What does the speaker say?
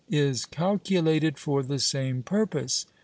is calculated for the same purpose.